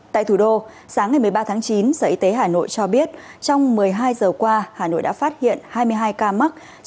tại thủ đô sáng ngày một mươi ba tháng chín sở y tế hà nội cho biết trong một mươi hai giờ qua hà nội đã phát hiện hai mươi hai ca mắc